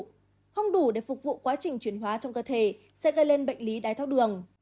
không đủ để phục vụ quá trình chuyển hóa trong cơ thể sẽ gây lên bệnh lý đái tháo đường